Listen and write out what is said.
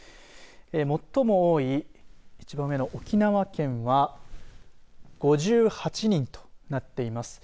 最も多い一番上の沖縄県は５８人となっています。